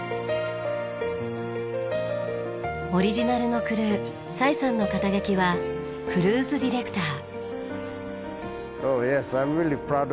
オリジナルのクルーサイさんの肩書はクルーズディレクター。